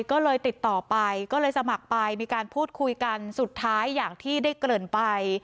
ก็เลยติดต่อไปก็เลยสมัครไปมีการพูดคุยกันสุดท้ายอย่างที่ได้เกริ่นไป